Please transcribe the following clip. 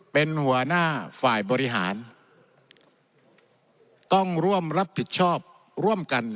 เป็นหัวหน้าฝ่ายบริหารต้องร่วมรับผิดชอบร่วมกัน